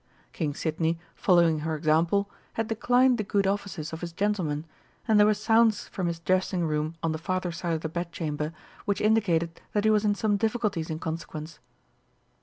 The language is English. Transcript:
King Sidney, following her example, had declined the good offices of his gentlemen, and there were sounds from his dressing room on the farther side of the Bedchamber which indicated that he was in some difficulties in consequence.